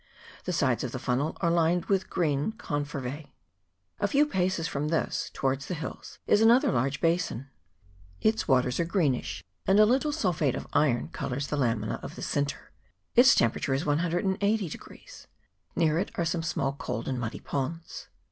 The sides of the funnel are lined with green Confervse. A few paces from this, towards the hills, is another large basin. Its waters are greenish, and a little sulphate of iron colours the lamina of the sinter. Its temperature is 180. Near it are some small cold and muddy ponds.